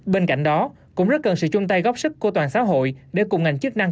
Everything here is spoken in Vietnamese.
bên cạnh đó cũng rất cần sự chung tay góp sức của toàn xã hội để cùng ngành chức năng